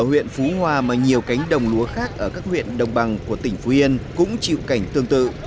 ở huyện phú hoa mà nhiều cánh đồng lúa khác ở các huyện đồng bằng của tỉnh phú yên cũng chịu cảnh tương tự